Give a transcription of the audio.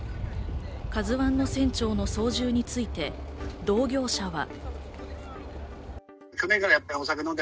「ＫＡＺＵ１」の船長の操縦について同業者は。